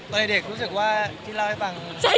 ตอนเด็กรู้สึกว่าที่เล่าให้ฟัง